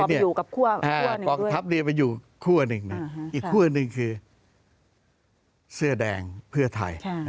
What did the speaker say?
คือขอสชไปอยู่กับขั้วอำนาจหนึ่งอีกขั้วอำนาจหนึ่งคือเสื้อแดงเพื่อไทย